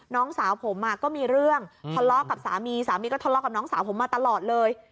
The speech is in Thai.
น้องสาวผมก็มีเรื่องทะเลาะกับสามีสามีก็ทะเลาะกับน้องสาวผมมาตลอดเลย